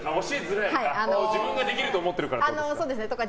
自分ができると思ってるからですか？